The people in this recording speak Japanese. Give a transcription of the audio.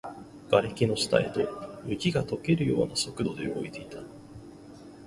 瓦礫の下へと、雪が溶けるような速度で動いていた